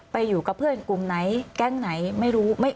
อยู่กับเพื่อนกลุ่มไหนแก๊งไหนไม่รู้